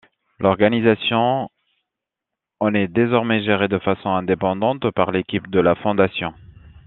L'organisation en est désormais gérée de façon indépendante par l'équipe de la Fondation.